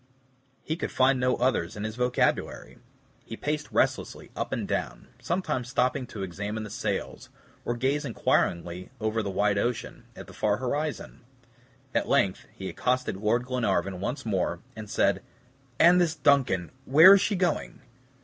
He could find no others in his vocabulary. He paced restlessly up and down; sometimes stopping to examine the sails, or gaze inquiringly over the wide ocean, at the far horizon. At length he accosted Lord Glenarvan once more, and said "And this DUNCAN where is she going?"